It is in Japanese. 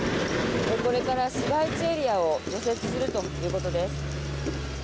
これから市街地エリアを除雪するということです。